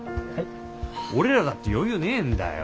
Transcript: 俺らだって余裕ねえんだよ。